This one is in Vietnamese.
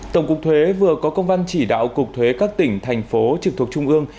tổng cục thuế vừa có công văn chỉ đạo cục thuế các tỉnh thành phố trực thuộc trung ương